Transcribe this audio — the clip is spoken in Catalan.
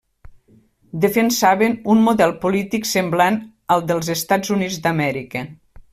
Defensaven un model polític semblant al dels Estats Units d’Amèrica.